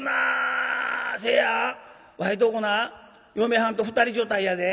清やんわいとこな嫁はんと２人所帯やで。